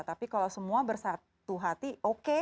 tapi kalau semua bersatu hati oke